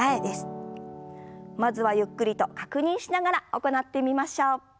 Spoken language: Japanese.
まずはゆっくりと確認しながら行ってみましょう。